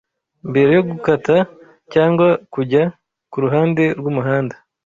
Mbere yo gukata cyangwa kujya ku ruhande rw'umuhanda